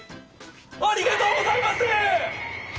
ありがとうございます！